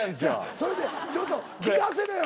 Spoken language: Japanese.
それでちょっと聞かせてよ。